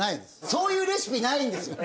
そういうレシピないんですよ。